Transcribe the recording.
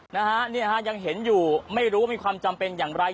นะฮะเนี่ยฮะยังเห็นอยู่ไม่รู้ว่ามีความจำเป็นอย่างไร